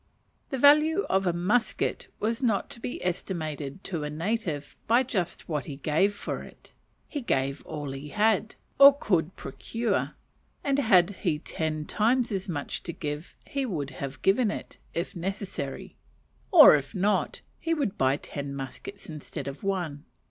The value of a musket was not to be estimated to a native by just what he gave for it: he gave all he had, or could procure, and had he ten times as much to give, he would have given it, if necessary; or if not, he would buy ten muskets instead of one.